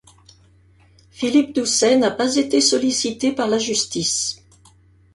Philippe Doucet n'a pas été sollicité par la justice.